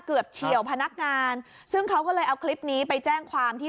เฉียวพนักงานซึ่งเขาก็เลยเอาคลิปนี้ไปแจ้งความที่